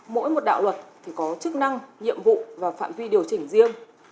mỗi một đạo luật thì có chức năng nhiệm vụ và phạm vi điều chỉnh riêng